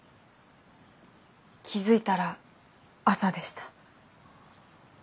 気付いたら朝でした。